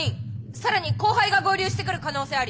更に後輩が合流してくる可能性あり。